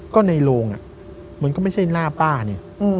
ก็ในโรงมันก็ไม่ใช่หน้าป้านี่